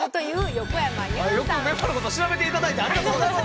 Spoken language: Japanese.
よくメンバーのことを調べて頂いてありがとうございます。